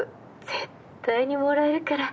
絶対にもらえるから。